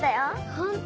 ホント？